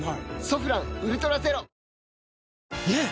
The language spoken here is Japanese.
「ソフランウルトラゼロ」ねえ‼